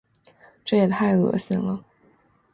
这也太恶心了。